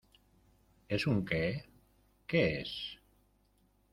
¿ Es un qué? ¿ qué es ?